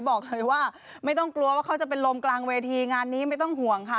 บอกเลยว่าไม่ต้องกลัวว่าเขาจะเป็นลมกลางเวทีงานนี้ไม่ต้องห่วงค่ะ